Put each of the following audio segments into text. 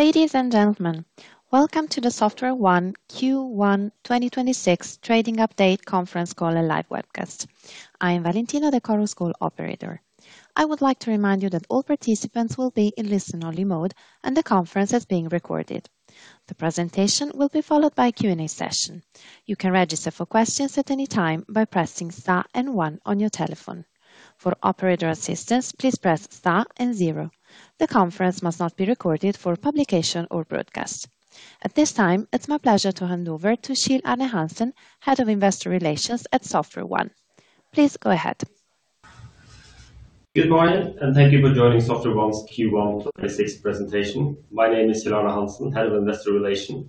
Ladies and gentlemen, welcome to the SoftwareONE Q1 2026 Trading Update conference call and live webcast. I am Valentina, the call's operator. I would like to remind you that all participants will be in listen-only mode, and the conference is being recorded. The presentation will be followed by a Q and A session. You can register for questions at any time by pressing star and one on your telephone. For operator assistance, please press star and zero. The conference must not be recorded for publication or broadcast. At this time, it's my pleasure to hand over to Kjell Arne Hansen, Head of Investor Relations at SoftwareONE. Please go ahead. Good morning, and thank you for joining SoftwareONE's Q1 2026 presentation. My name is Kjell Arne Hansen, Head of Investor Relations.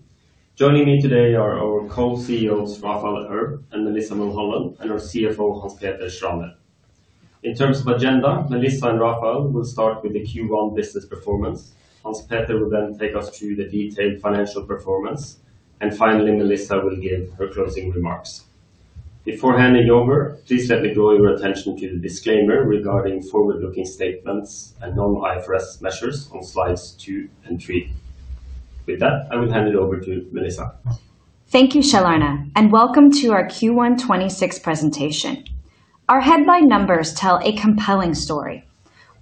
Joining me today are our Co-CEOs, Raphael Erb and Melissa Mulholland, and our CFO, Hanspeter Schraner. In terms of agenda, Melissa and Raphael will start with the Q1 business performance. Hanspeter will then take us through the detailed financial performance, and finally, Melissa will give her closing remarks. Before handing over, please let me draw your attention to the disclaimer regarding forward-looking statements and non-IFRS measures on slides two and three. With that, I will hand it over to Melissa. Thank you, Kjell Arne, welcome to our Q1 2026 presentation. Our headline numbers tell a compelling story.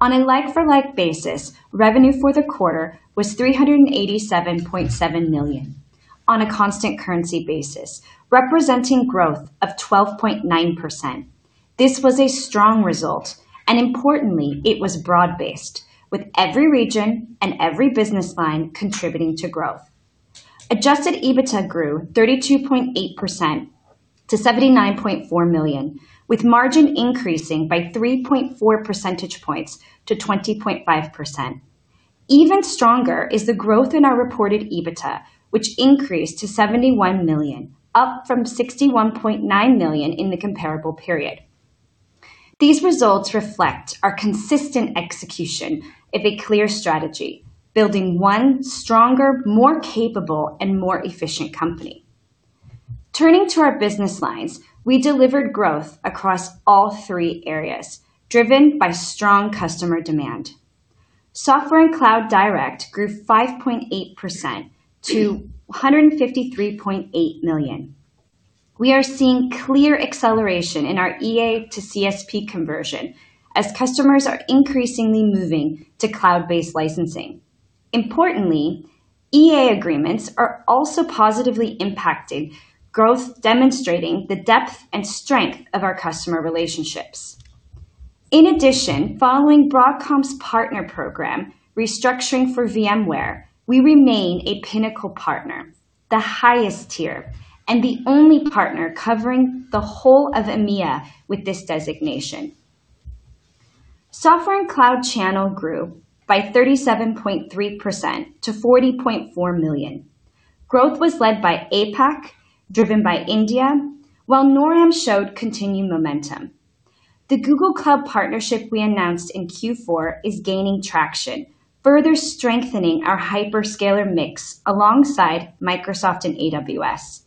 On a like-for-like basis, revenue for the quarter was 387.7 million on a constant currency basis, representing growth of 12.9%. This was a strong result, importantly, it was broad-based, with every region and every business line contributing to growth. Adjusted EBITDA grew 32.8% to 79.4 million, with margin increasing by 3.4 percentage points to 20.5%. Even stronger is the growth in our reported EBITDA, which increased to 71 million, up from 61.9 million in the comparable period. These results reflect our consistent execution of a clear strategy, building one stronger, more capable, and more efficient company. Turning to our business lines, we delivered growth across all three areas, driven by strong customer demand. Software & Cloud Direct grew 5.8% to 153.8 million. We are seeing clear acceleration in our EA to CSP conversion as customers are increasingly moving to cloud-based licensing. Importantly, EA agreements are also positively impacting growth, demonstrating the depth and strength of our customer relationships. In addition, following Broadcom's partner program restructuring for VMware, we remain a pinnacle partner, the highest tier, and the only partner covering the whole of EMEA with this designation. Software & Cloud Channel grew by 37.3% to 40.4 million. Growth was led by APAC, driven by India, while NorAM showed continued momentum. The Google Cloud partnership we announced in Q4 is gaining traction, further strengthening our hyperscaler mix alongside Microsoft and AWS.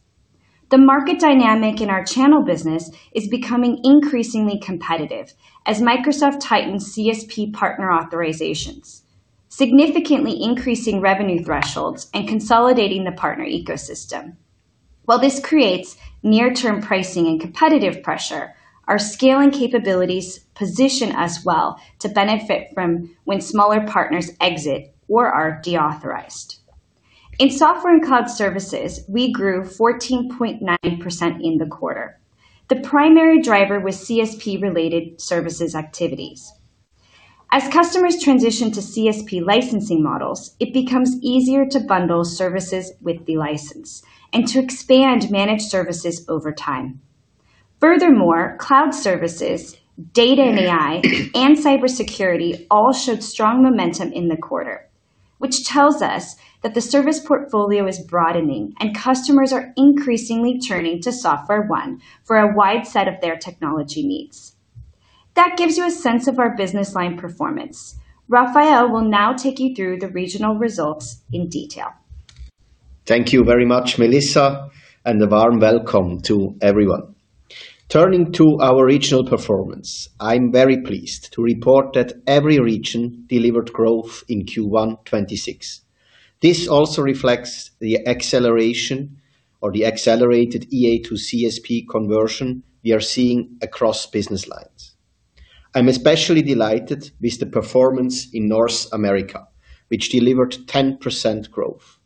The market dynamic in our channel business is becoming increasingly competitive as Microsoft tightens CSP partner authorizations, significantly increasing revenue thresholds and consolidating the partner ecosystem. While this creates near-term pricing and competitive pressure, our scale and capabilities position us well to benefit from when smaller partners exit or are deauthorized. In Software & Cloud Services, we grew 14.9% in the quarter. The primary driver was CSP-related services activities. As customers transition to CSP licensing models, it becomes easier to bundle services with the license and to expand managed services over time. Furthermore, cloud services, data and AI, and cybersecurity all showed strong momentum in the quarter, which tells us that the service portfolio is broadening and customers are increasingly turning to SoftwareONE for a wide set of their technology needs. That gives you a sense of our business line performance. Raphael will now take you through the regional results in detail. Thank you very much, Melissa, and a warm welcome to everyone. Turning to our regional performance, I'm very pleased to report that every region delivered growth in Q1 2026. This also reflects the accelerated EA to CSP conversion we are seeing across business lines. I'm especially delighted with the performance in North America, which delivered 10% growth.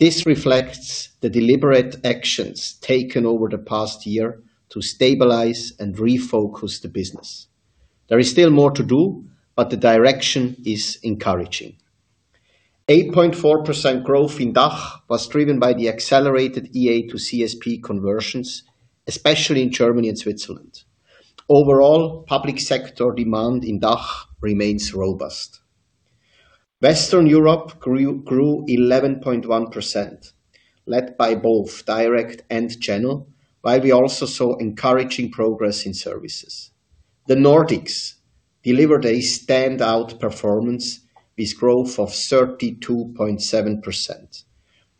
This reflects the deliberate actions taken over the past year to stabilize and refocus the business. There is still more to do, but the direction is encouraging. 8.4% growth in DACH was driven by the accelerated EA to CSP conversions, especially in Germany and Switzerland. Overall, public sector demand in DACH remains robust. Western Europe grew 11.1%, led by both direct and channel, while we also saw encouraging progress in services. The Nordics delivered a standout performance with growth of 32.7%.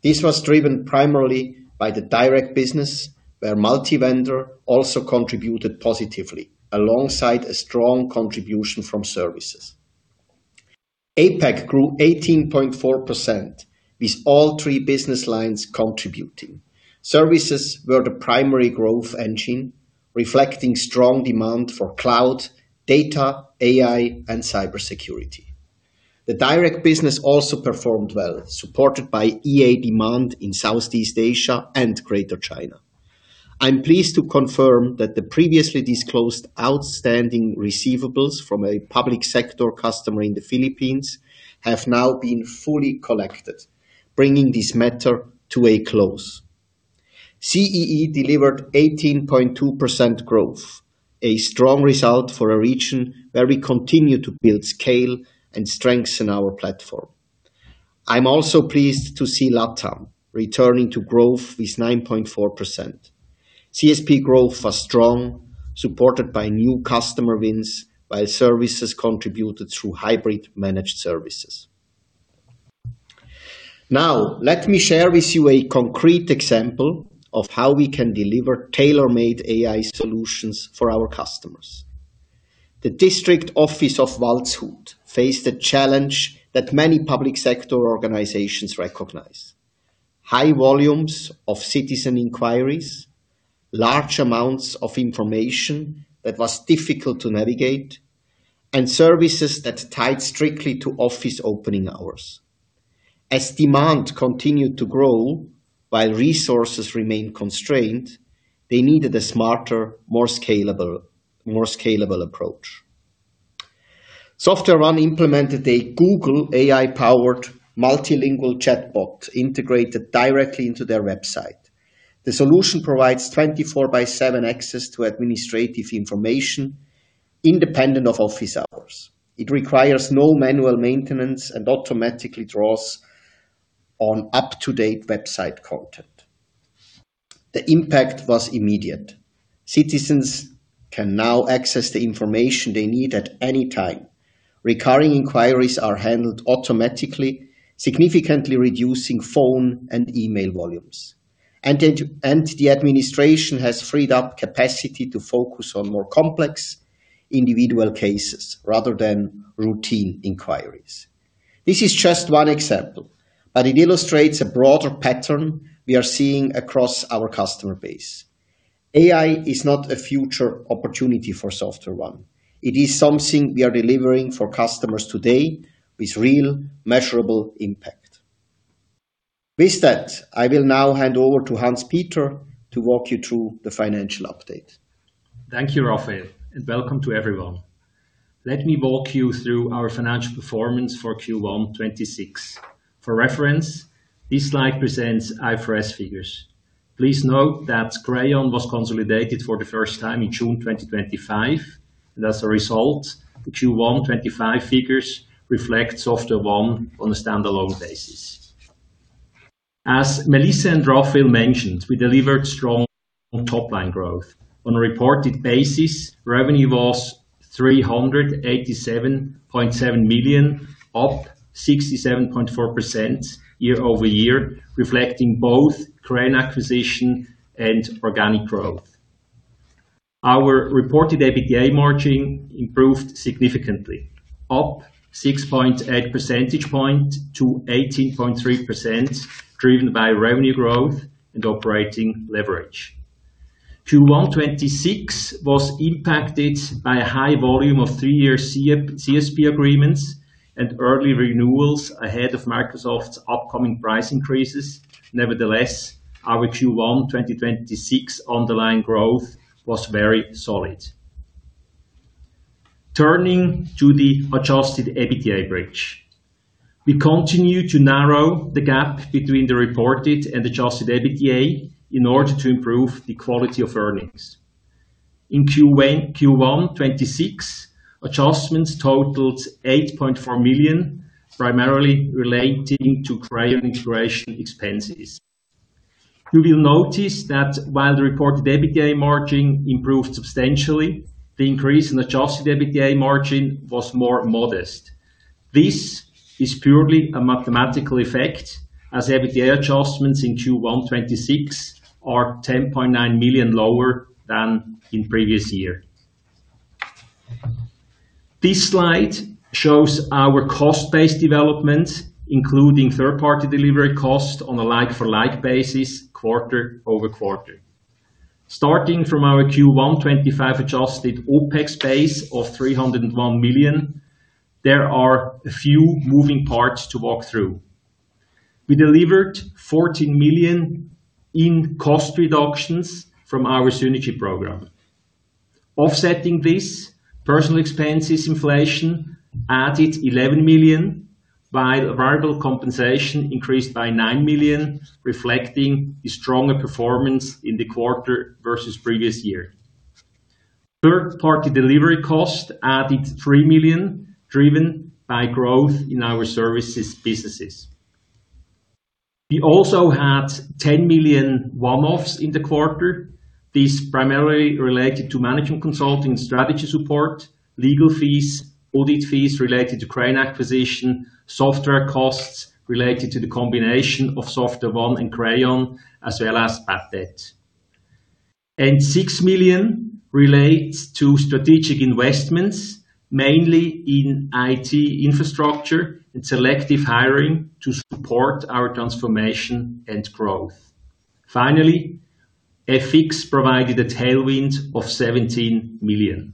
This was driven primarily by the direct business, where multi-vendor also contributed positively, alongside a strong contribution from services. APAC grew 18.4%, with all three business lines contributing. Services were the primary growth engine, reflecting strong demand for cloud, data, AI, and cybersecurity. The direct business also performed well, supported by EA demand in Southeast Asia and Greater China. I'm pleased to confirm that the previously disclosed outstanding receivables from a public sector customer in the Philippines have now been fully collected, bringing this matter to a close. CEE delivered 18.2% growth, a strong result for a region where we continue to build scale and strengthen our platform. I'm also pleased to see LATAM returning to growth with 9.4%. CSP growth was strong, supported by new customer wins, while services contributed through hybrid managed services. Now, let me share with you a concrete example of how we can deliver tailor-made AI solutions for our customers. The District Office of Waldshut faced a challenge that many public sector organizations recognize. High volumes of citizen inquiries, large amounts of information that was difficult to navigate, and services that tied strictly to office opening hours. As demand continued to grow while resources remained constrained, they needed a smarter, more scalable approach. SoftwareONE implemented a Google AI-powered multilingual chatbot integrated directly into their website. The solution provides 24/7 access to administrative information independent of office hours. It requires no manual maintenance and automatically draws on up-to-date website content. The impact was immediate. Citizens can now access the information they need at any time. Recurring inquiries are handled automatically, significantly reducing phone and email volumes. The administration has freed up capacity to focus on more complex individual cases rather than routine inquiries. This is just one example, but it illustrates a broader pattern we are seeing across our customer base. AI is not a future opportunity for SoftwareONE. It is something we are delivering for customers today with real measurable impact. With that, I will now hand over to Hanspeter to walk you through the financial update. Thank you, Raphael, and welcome to everyone. Let me walk you through our financial performance for Q1 2026. For reference, this slide presents IFRS figures. Please note that Crayon was consolidated for the first time in June 2025, and as a result, the Q1 2025 figures reflect SoftwareONE on a standalone basis. As Melissa and Raphael mentioned, we delivered strong on top-line growth. On a reported basis, revenue was 387.7 million, up 67.4% year-over-year, reflecting both Crayon acquisition and organic growth. Our reported EBITDA margin improved significantly, up 6.8 percentage point to 18.3%, driven by revenue growth and operating leverage. Q1 2026 was impacted by a high volume of three year CSP agreements and early renewals ahead of Microsoft's upcoming price increases. Nevertheless, our Q1 2026 underlying growth was very solid. Turning to the Adjusted EBITDA bridge. We continue to narrow the gap between the reported and Adjusted EBITDA in order to improve the quality of earnings. In Q1 2026, adjustments totaled 8.4 million, primarily relating to Crayon integration expenses. You will notice that while the reported EBITDA margin improved substantially, the increase in Adjusted EBITDA margin was more modest. This is purely a mathematical effect, as EBITDA adjustments in Q1 2026 are 10.9 million lower than in previous year. This slide shows our cost-based development, including third-party delivery cost on a like-for-like basis, quarter-over-quarter. Starting from our Q1 2025 Adjusted OpEx base of 301 million, there are a few moving parts to walk through. We delivered 14 million in cost reductions from our synergy program. Offsetting this, personal expenses inflation added 11 million, while variable compensation increased by 9 million, reflecting the stronger performance in the quarter versus previous year. Third-party delivery cost added 3 million, driven by growth in our services businesses. We also had 10 million one-offs in the quarter. These primarily related to management consulting strategy support, legal fees, audit fees related to Crayon acquisition, software costs related to the combination of SoftwareONE and Crayon, as well as Pathé. 6 million relates to strategic investments, mainly in IT infrastructure and selective hiring to support our transformation and growth. Finally, FX provided a tailwind of 17 million.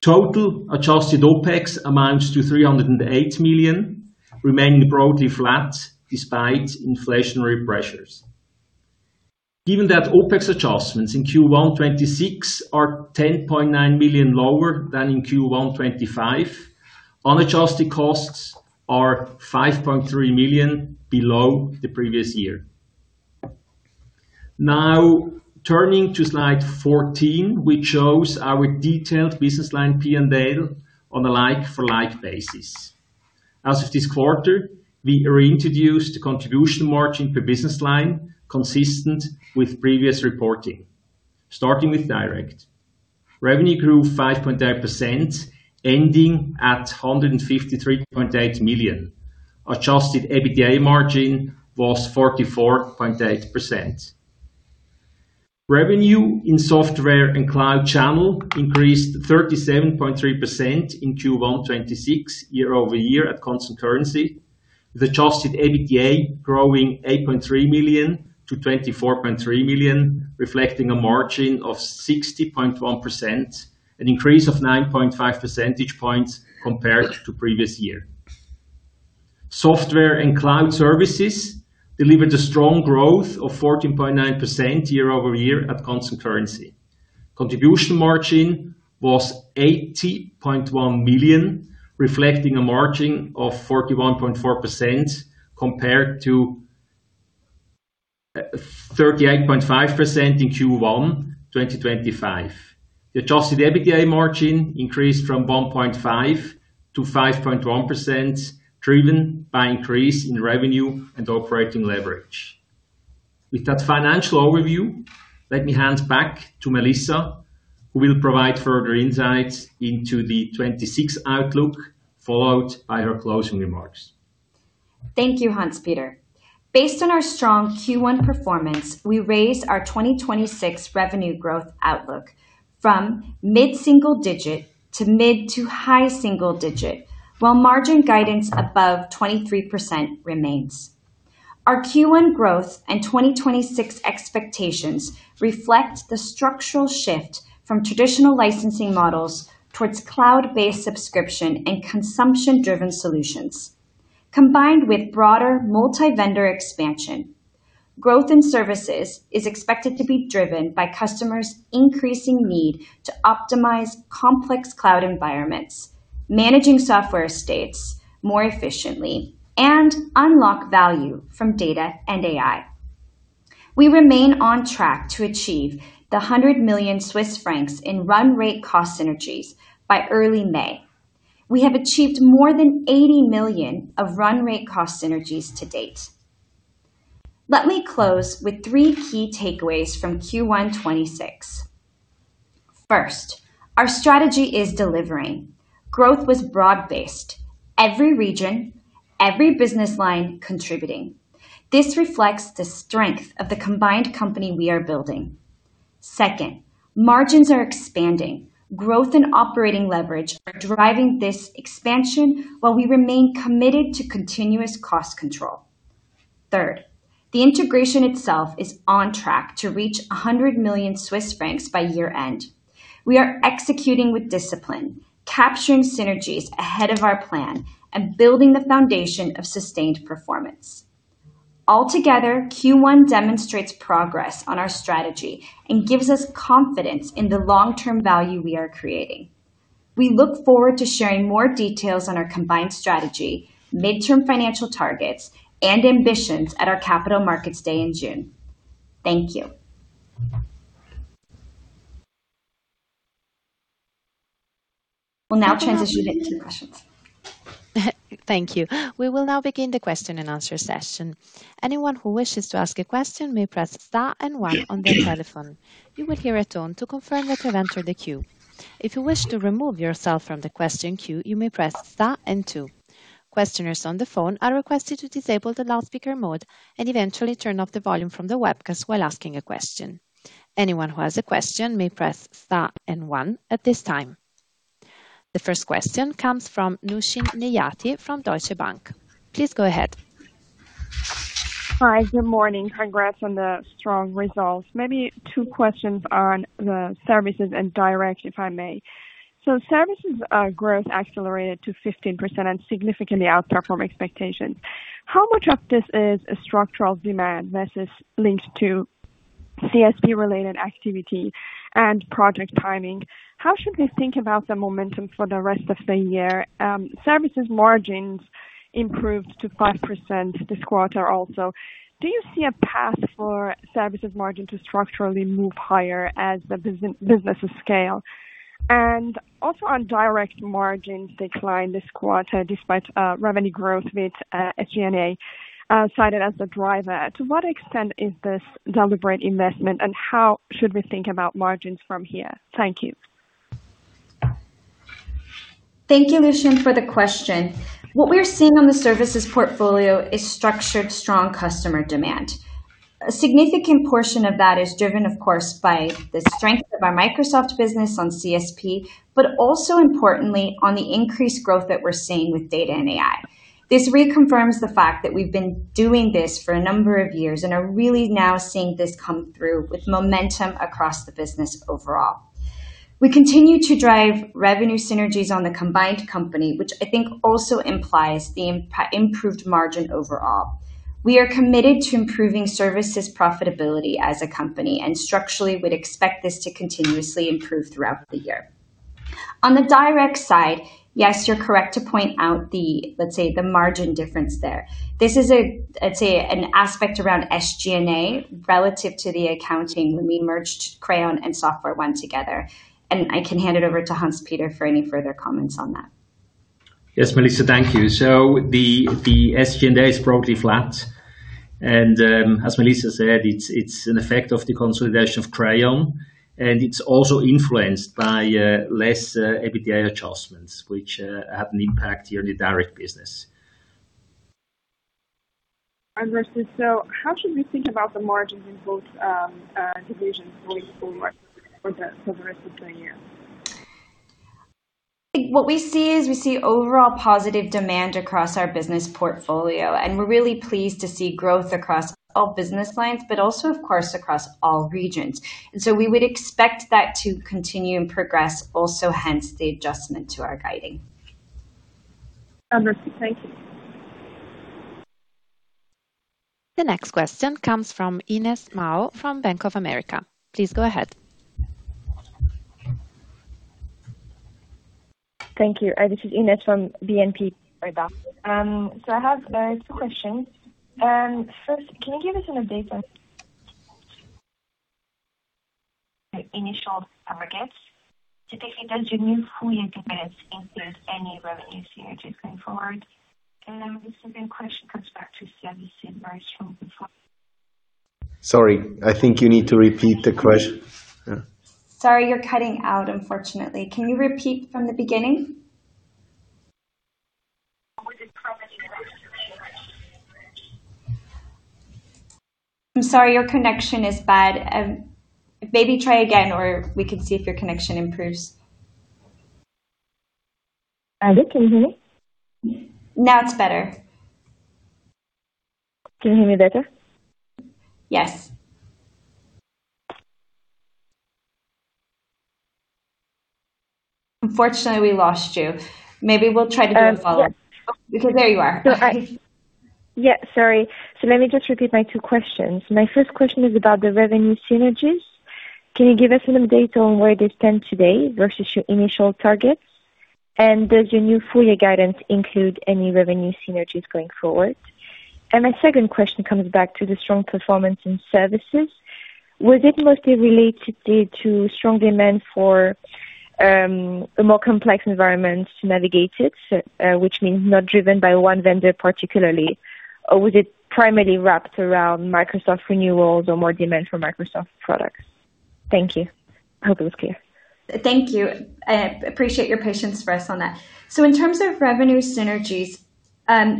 Total Adjusted OpEx amounts to 308 million, remaining broadly flat despite inflationary pressures. Given that OpEx adjustments in Q1 2026 are 10.9 million lower than in Q1 2025, unadjusted costs are 5.3 million below the previous year. Turning to slide 14, which shows our detailed business line P&L on a like-for-like basis. As of this quarter, we reintroduced contribution margin per business line consistent with previous reporting. Starting with direct. Revenue grew 5.8%, ending at 153.8 million. Adjusted EBITDA margin was 44.8%. Revenue in Software & Cloud Channel increased 37.3% in Q1 2026 year-over-year at constant currency, with Adjusted EBITDA growing 8.3 million-24.3 million, reflecting a margin of 60.1%, an increase of 9.5 percentage points compared to previous year. Software & Cloud Services delivered a strong growth of 14.9% year-over-year at constant currency. Contribution margin was 80.1 million, reflecting a margin of 41.4% compared to 38.5% in Q1 2025. The Adjusted EBITDA margin increased from 1.5%-5.1%, driven by increase in revenue and operating leverage. With that financial overview, let me hand back to Melissa, who will provide further insights into the 2026 outlook, followed by her closing remarks. Thank you, Hanspeter. Based on our strong Q1 performance, we raised our 2026 revenue growth outlook from mid-single-digit to mid-to-high single-digit, while margin guidance above 23% remains. Our Q1 growth and 2026 expectations reflect the structural shift from traditional licensing models towards cloud-based subscription and consumption-driven solutions, combined with broader multi-vendor expansion. Growth in services is expected to be driven by customers' increasing need to optimize complex cloud environments, managing software estates more efficiently, and unlock value from data and AI. We remain on track to achieve the 100 million Swiss francs in run rate cost synergies by early May. We have achieved more than 80 million of run rate cost synergies to date. Let me close with three key takeaways from Q1 2026. First, our strategy is delivering. Growth was broad-based, every region, every business line contributing. This reflects the strength of the combined company we are building. Second, margins are expanding. Growth and operating leverage are driving this expansion while we remain committed to continuous cost control. Third, the integration itself is on track to reach 100 million Swiss francs by year-end. We are executing with discipline, capturing synergies ahead of our plan, and building the foundation of sustained performance. Altogether, Q1 demonstrates progress on our strategy and gives us confidence in the long-term value we are creating. We look forward to sharing more details on our combined strategy, midterm financial targets, and ambitions at our Capital Markets Day in June. Thank you. We'll now transition into questions. Thank you. We will now begin the question-and-answer session. Anyone who wishes to ask a question may press star one on their telephone. You will hear a tone to confirm that you've entered the queue. If you wish to remove yourself from the question queue, you may press star two. Questioners on the phone are requested to disable the loudspeaker mode and eventually turn off the volume from the webcast while asking a question. Anyone who has a question may press star one at this time. The first question comes from Nooshin Nejati from Deutsche Bank. Please go ahead. Hi, good morning. Congrats on the strong results. Maybe two questions on the services and direct, if I may. Services growth accelerated to 15% and significantly outperformed expectations. How much of this is a structural demand versus linked to CSP-related activity and project timing? How should we think about the momentum for the rest of the year? Services margins improved to 5% this quarter also. Do you see a path for services margin to structurally move higher as the businesses scale? On direct margins decline this quarter despite revenue growth with SG&A cited as the driver. To what extent is this deliberate investment, and how should we think about margins from here? Thank you. Thank you, Nooshin, for the question. What we're seeing on the services portfolio is structured strong client demand. A significant portion of that is driven, of course, by the strength of our Microsoft business on CSP, but also importantly on the increased growth that we're seeing with data and AI. This reconfirms the fact that we've been doing this for a number of years and are really now seeing this come through with momentum across the business overall. We continue to drive revenue synergies on the combined company, which I think also implies the improved margin overall. We are committed to improving services profitability as a company. Structurally we'd expect this to continuously improve throughout the year. On the direct side, yes, you're correct to point out the, let's say, the margin difference there. This is a, I'd say, an aspect around SG&A relative to the accounting when we merged Crayon and SoftwareONE together, and I can hand it over to Hanspeter for any further comments on that. Yes, Melissa, thank you. The SG&A is broadly flat and, as Melissa said, it's an effect of the consolidation of Crayon, and it's also influenced by less EBITDA adjustments, which have an impact here in the direct business. Understood. How should we think about the margins in both divisions going forward for the rest of the year? What we see is we see overall positive demand across our business portfolio, and we're really pleased to see growth across all business lines but also of course, across all regions. We would expect that to continue and progress also, hence the adjustment to our guiding. Understood. Thank you. The next question comes from Inès Mao from Bank of America. Please go ahead. Thank you. This is Inès from BNP Paribas. I have two questions. First, can you give us an update on the initial targets? Specifically, does your new full year guidance include any revenue synergies going forward? The second question comes back to services. Sorry, I think you need to repeat the question. Yeah. Sorry, you're cutting out unfortunately. Can you repeat from the beginning? With the strong performance I'm sorry, your connection is bad. Maybe try again or we can see if your connection improves. Hello, can you hear me? Now it's better. Can you hear me better? Yes. Unfortunately, we lost you. Maybe we'll try to do a follow-up. Yeah. There you are. Sorry. Yeah, sorry. Let me just repeat my two questions. My first question is about the revenue synergies. Can you give us an update on where they stand today versus your initial targets? Does your new full year guidance include any revenue synergies going forward? My second question comes back to the strong performance in services. Was it mostly related to strong demand for a more complex environment to navigate it, which means not driven by one vendor particularly? Was it primarily wrapped around Microsoft renewals or more demand for Microsoft products? Thank you. I hope it was clear. Thank you. I appreciate your patience for us on that. In terms of revenue synergies,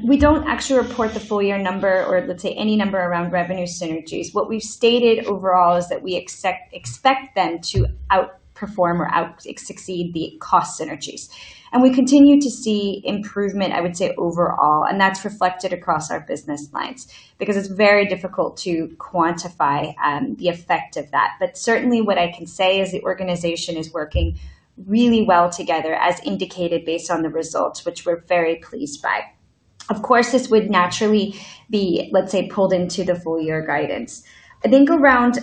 we don't actually report the full year number or let's say any number around revenue synergies. What we've stated overall is that we expect them to outperform or out succeed the cost synergies. We continue to see improvement, I would say, overall, and that's reflected across our business lines because it's very difficult to quantify the effect of that. Certainly what I can say is the organization is working really well together, as indicated based on the results, which we're very pleased by. Of course, this would naturally be, let's say, pulled into the full year guidance. I think around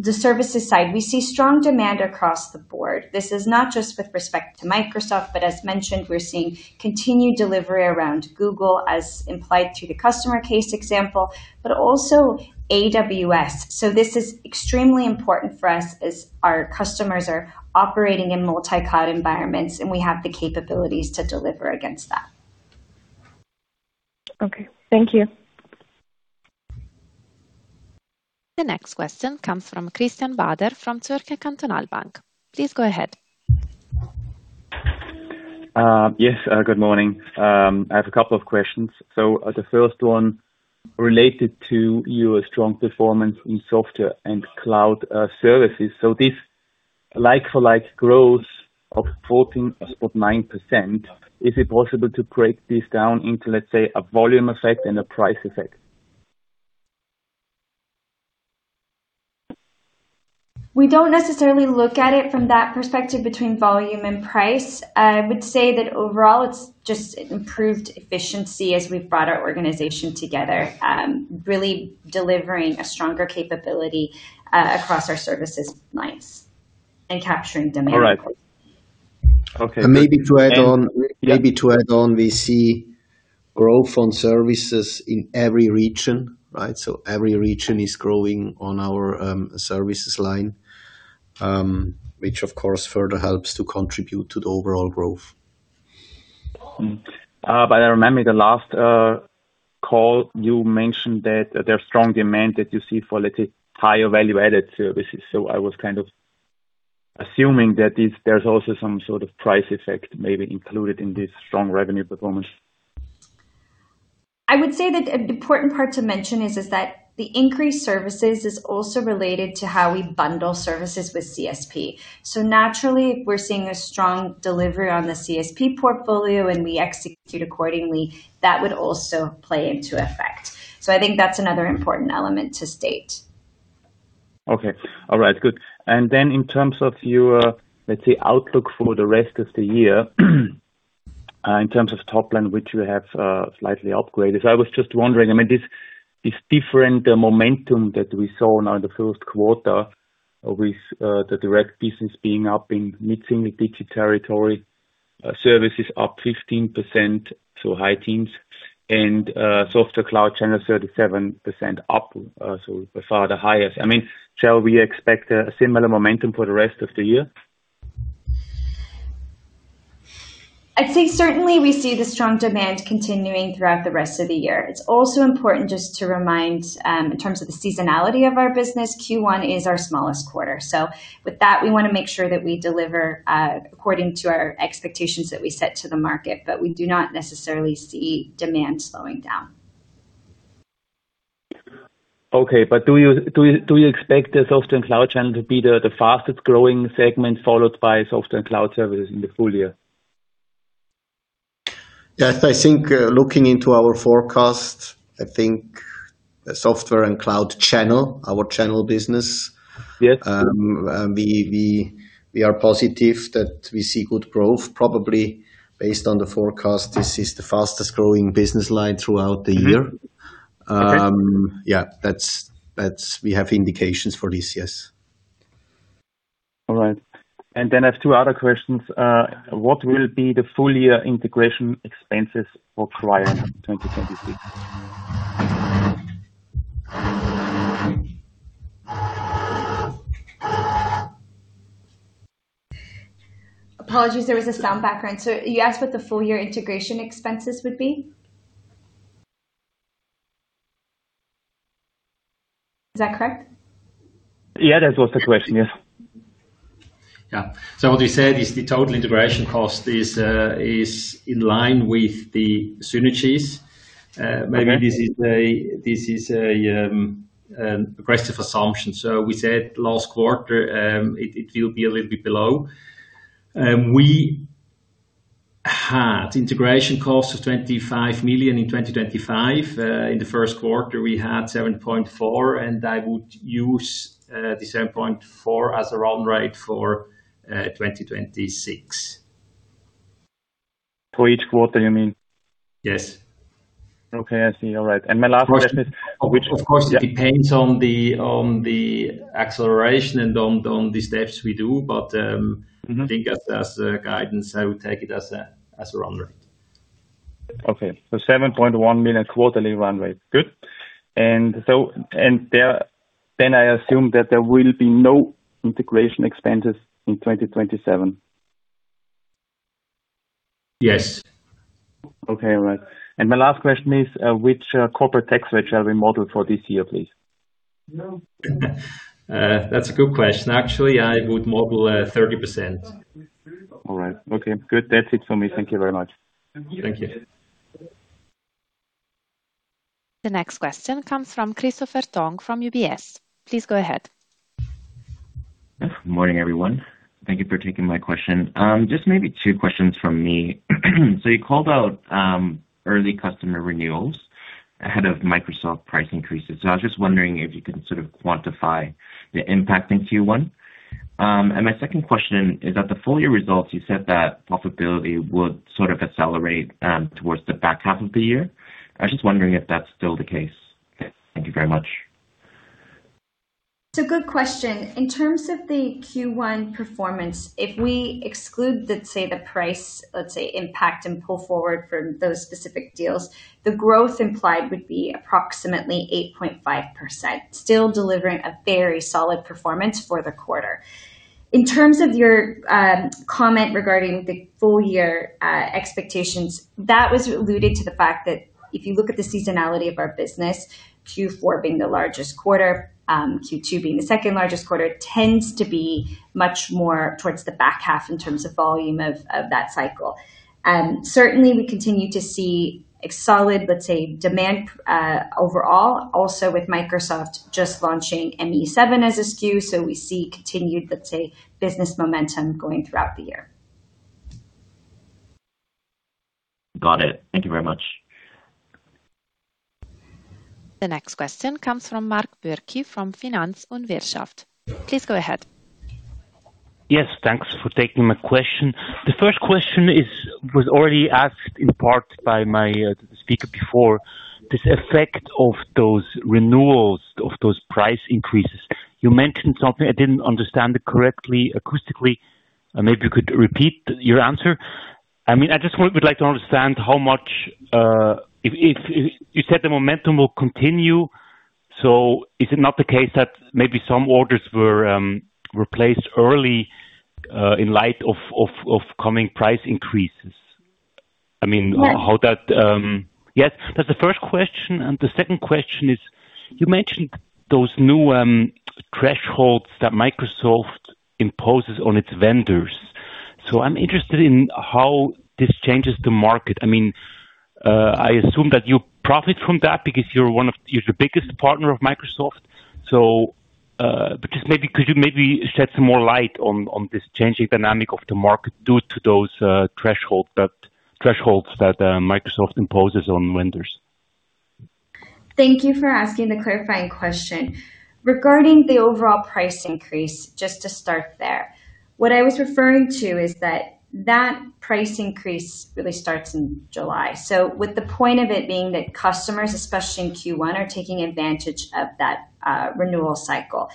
the services side, we see strong demand across the board. This is not just with respect to Microsoft, but as mentioned, we're seeing continued delivery around Google as implied through the customer case example, but also AWS. This is extremely important for us as our customers are operating in multi-cloud environments, and we have the capabilities to deliver against that. Okay. Thank you. The next question comes from Christian Bader from Zürcher Kantonalbank. Please go ahead. Yes, good morning. I have a couple of questions. The first one related to your strong performance in Software & Cloud Services. This like-for-like growth of 14.9%, is it possible to break this down into, let's say, a volume effect and a price effect? We don't necessarily look at it from that perspective between volume and price. I would say that overall it's just improved efficiency as we've brought our organization together, really delivering a stronger capability across our services lines and capturing demand. All right. Maybe to add on, we see growth on services in every region, right? Every region is growing on our services line, which of course further helps to contribute to the overall growth. I remember the last call you mentioned that there's strong demand that you see for, let's say, higher value-added services. I was kind of assuming there's also some sort of price effect maybe included in this strong revenue performance. I would say that an important part to mention is that the increased services is also related to how we bundle services with CSP. Naturally, we're seeing a strong delivery on the CSP portfolio, and we execute accordingly. That would also play into effect. I think that's another important element to state. Okay. All right, good. In terms of your, let's say, outlook for the rest of the year, in terms of top line, which you have slightly upgraded. I was just wondering, this different momentum that we saw now in the first quarter with the Direct business being up in mid-single digit territory, Services is up 15% to high teens and Software & Cloud Channel 37% up, by far the highest. Shall we expect a similar momentum for the rest of the year? I'd say certainly we see the strong demand continuing throughout the rest of the year. It's also important just to remind, in terms of the seasonality of our business, Q1 is our smallest quarter. With that, we wanna make sure that we deliver according to our expectations that we set to the market, but we do not necessarily see demand slowing down. Okay. Do you expect the Software & Cloud Channel to be the fastest-growing segment, followed by Software & Cloud Services in the full year? Yes. I think, looking into our forecast, I think Software and Cloud Channel, our channel business. Yes We are positive that we see good growth, probably based on the forecast. This is the fastest-growing business line throughout the year. Mm-hmm. Okay. yeah. We have indications for this. Yes. All right. I have two other questions. What will be the full year integration expenses for prior 2026? Apologies, there was a sound background. You asked what the full year integration expenses would be? Is that correct? Yeah, that was the question. Yes. Yeah. What you said is the total integration cost is in line with the synergies. Okay Maybe this is a aggressive assumption. We said last quarter, it will be a little bit below. We had integration costs of 25 million in 2025. In the first quarter, we had 7.4, and I would use the 7.4 as a run rate for 2026. For each quarter, you mean? Yes. Okay, I see. All right. My last question is- Of course, of course it depends on the, on the acceleration and on the steps we do, but. I think as a guidance, I would take it as a run rate. Okay. 7.1 million quarterly run rate. Good. I assume that there will be no integration expenses in 2027. Yes. Okay. All right. My last question is, which corporate tax rate shall we model for this year, please? That's a good question. Actually, I would model 30%. All right. Okay, good. That's it for me. Thank you very much. Thank you. The next question comes from Christopher Tong from UBS. Please go ahead. Good morning, everyone. Thank you for taking my question. Just maybe two questions from me. You called out early customer renewals ahead of Microsoft price increases. I was just wondering if you can sort of quantify the impact in Q1. My second question is, at the full year results, you said that profitability would sort of accelerate towards the back half of the year. I was just wondering if that's still the case. Thank you very much. It's a good question. In terms of the Q1 performance, if we exclude the price impact and pull forward from those specific deals, the growth implied would be approximately 8.5%, still delivering a very solid performance for the quarter. In terms of your comment regarding the full year expectations, that was alluded to the fact that if you look at the seasonality of our business, Q4 being the largest quarter, Q2 being the second-largest quarter, tends to be much more towards the back half in terms of volume of that cycle. Certainly we continue to see a solid demand overall, also with Microsoft just launching Microsoft 365 E7 as a SKU. We see continued business momentum going throughout the year. Got it. Thank you very much. The next question comes from Marc Bürgi from Finanz und Wirtschaft. Please go ahead. Thanks for taking my question. The first question is, was already asked in part by my speaker before. This effect of those renewals, of those price increases. You mentioned something, I didn't understand it correctly acoustically. Maybe you could repeat your answer. I mean, I would like to understand how much, if you said the momentum will continue, is it not the case that maybe some orders were replaced early in light of coming price increases? No. How that. Yes. That's the first question. The second question is, you mentioned those new thresholds that Microsoft imposes on its vendors. I'm interested in how this changes the market. I mean, I assume that you profit from that because you're the biggest partner of Microsoft. Just maybe could you maybe shed some more light on this changing dynamic of the market due to those thresholds that Microsoft imposes on vendors? Thank you for asking the clarifying question. Regarding the overall price increase, just to start there, what I was referring to is that that price increase really starts in July. With the point of it being that clients, especially in Q1, are taking advantage of that renewal cycle.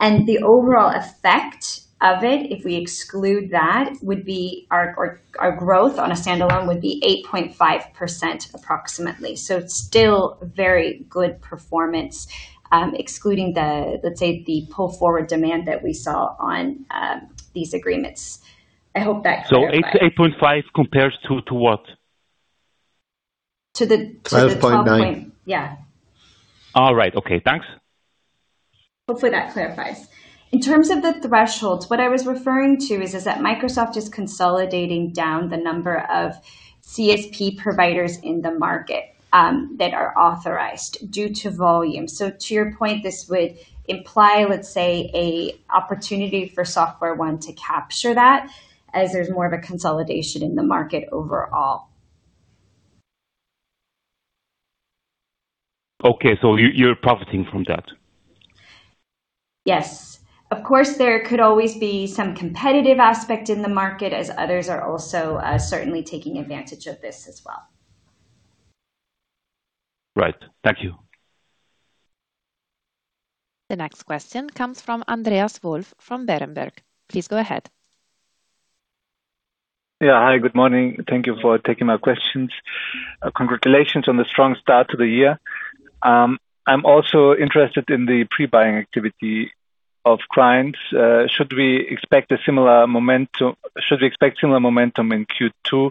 The overall effect of it, if we exclude that, would be our growth on a standalone would be 8.5% approximately. It's still very good performance, excluding the, let's say, the pull-forward demand that we saw on these agreements. I hope that clarifies. 8.5 compares to what? To the- 5.9. To the top point. Yeah. All right. Okay, thanks. Hopefully that clarifies. In terms of the thresholds, what I was referring to is that Microsoft is consolidating down the number of CSP providers in the market that are authorized due to volume. To your point, this would imply, let's say, a opportunity for SoftwareONE to capture that as there's more of a consolidation in the market overall. Okay. You, you're profiting from that? Yes. Of course, there could always be some competitive aspect in the market, as others are also, certainly taking advantage of this as well. Right. Thank you. The next question comes from Andreas Wolf from Berenberg. Please go ahead. Hi, good morning. Thank you for taking my questions. Congratulations on the strong start to the year. I'm also interested in the pre-buying activity of clients. Should we expect similar momentum in Q2,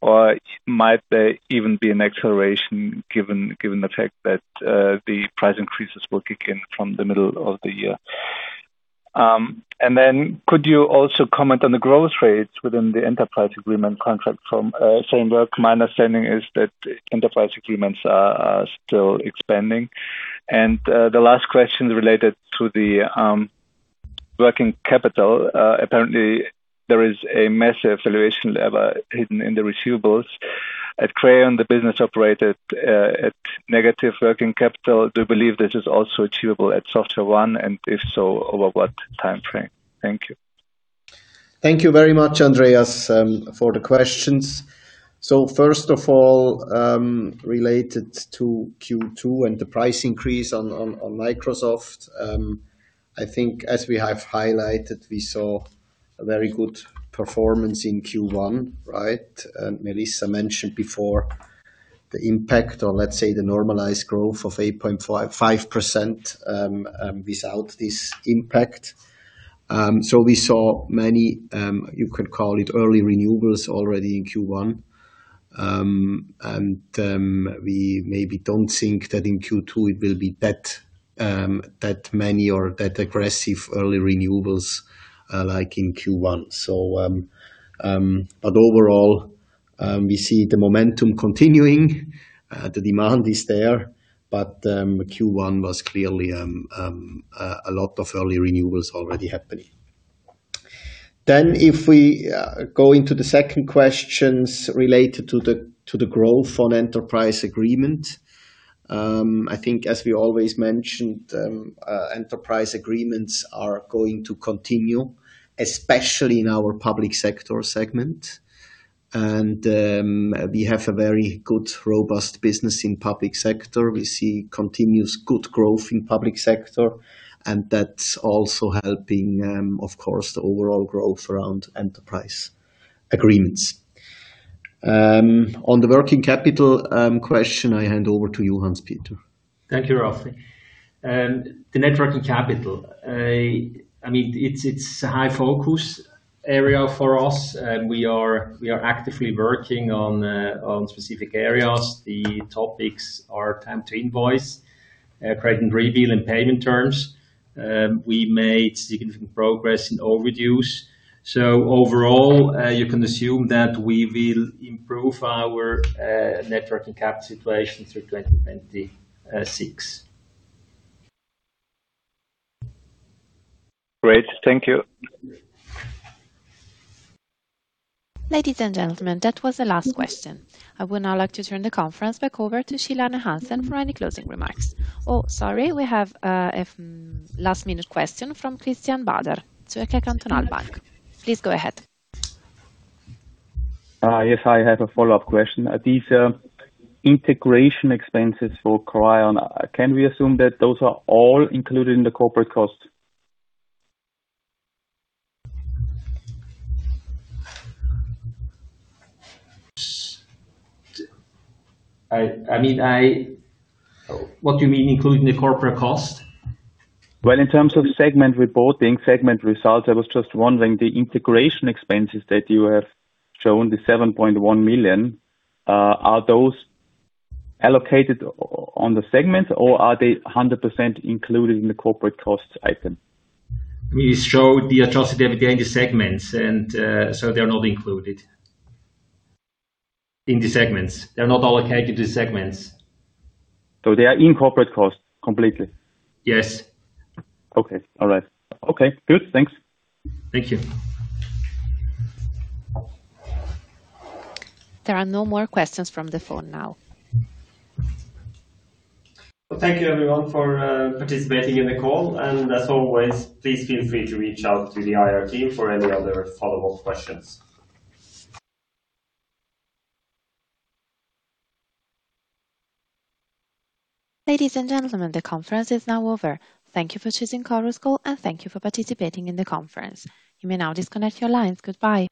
or might there even be an acceleration given the fact that the price increases will kick in from the middle of the year? Could you also comment on the growth rates within the enterprise agreement contract from Sandvik? My understanding is that enterprise agreements are still expanding. The last question related to the working capital. Apparently there is a massive valuation lever hidden in the receivables. At Crayon the business operated at negative working capital. Do you believe this is also achievable at SoftwareONE, and if so, over what timeframe? Thank you. Thank you very much, Andreas, for the questions. First of all, related to Q2 and the price increase on Microsoft, I think as we have highlighted, we saw a very good performance in Q1, right? Melissa mentioned before the impact or let's say the normalized growth of 8.5% without this impact. We saw many, you could call it early renewables already in Q1. We maybe don't think that in Q2 it will be that many or that aggressive early renewables like in Q1. Overall, we see the momentum continuing. The demand is there, Q1 was clearly a lot of early renewals already happening. If we go into the second questions related to the growth on Enterprise Agreement, I think as we always mentioned, Enterprise Agreements are going to continue, especially in our Public Sector segment. We have a very good, robust business in Public Sector. We see continuous good growth in Public Sector, and that's also helping, of course, the overall growth around Enterprise Agreements. On the working capital question, I hand over to you, Hanspeter. Thank you, Ralphael. The net working capital. I mean, it's a high focus area for us, and we are actively working on specific areas. The topics are time to invoice, credit and reveal and payment terms. We made significant progress in overdue. Overall, you can assume that we will improve our net working capital situation through 2026. Great. Thank you. Ladies and gentlemen, that was the last question. I would now like to turn the conference back over to Kjell Arne Hansen for any closing remarks. Oh, sorry. We have a last-minute question from Christian Bader, Zürcher Kantonalbank. Please go ahead. Yes, I have a follow-up question. These integration expenses for Crayon, can we assume that those are all included in the corporate costs? I mean, what do you mean included in the corporate cost? In terms of segment reporting, segment results, I was just wondering, the integration expenses that you have shown, the 7.1 million, are those allocated on the segment or are they 100% included in the corporate costs item? We show the Adjusted EBITDA in the segments and, so they're not included in the segments. They're not allocated to segments. They are in corporate costs completely? Yes. Okay. All right. Okay, good. Thanks. Thank you. There are no more questions from the phone now. Thank you everyone for participating in the call. As always, please feel free to reach out to the IR team for any other follow-up questions. Ladies and gentlemen, the conference is now over. Thank you for choosing Chorus Call, and thank you for participating in the conference. You may now disconnect your lines. Goodbye.